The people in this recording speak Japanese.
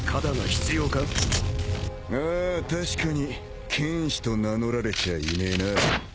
ああ確かに剣士と名乗られちゃいねえなぁ。